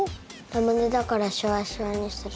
ラムネだからシュワシュワにする。